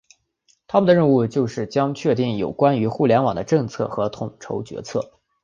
他们的任务将是确定有关于互联网的政策和统筹决策。